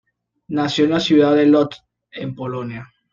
Nació en la ciudad de Łódź, en Polonia.